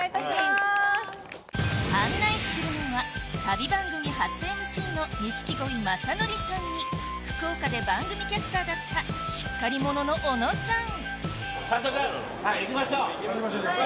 案内するのは旅番組初ＭＣの錦鯉まさのりさんに福岡で番組キャスターだったしっかり者の小野さん